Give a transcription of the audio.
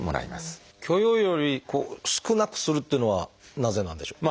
許容量より少なくするっていうのはなぜなんでしょう？